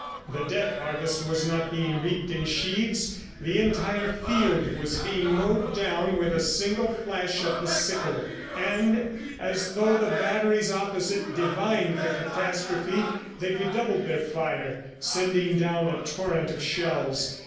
The death harvest was not being reaped in sheaves; the entire field was being mowed down with a single flash of the sickle. And as though the batteries opposite divined the catastrophe, they redoubled their fire, sending down a torrent of shells.